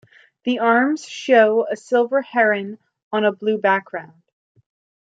The arms show a silver heron on a blue background.